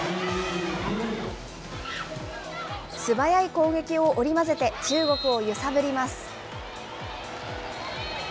素早い攻撃を織り交ぜて、中国を揺さぶります。